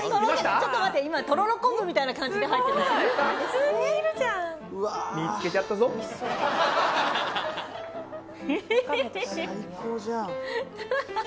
ちょっと待って今とろろ昆布みたいな感じで入ってたよ。最高じゃん。